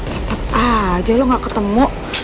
tetap aja lo gak ketemu